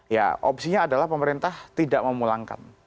ya opsinya adalah pemerintah tidak memulangkan